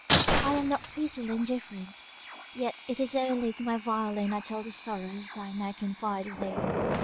I am not peacefully indifferent; yet it is only to my violin I tell the sorrows I now confide with thee.